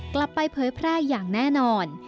กลับไปเผยแพร่อย่างแน่นอน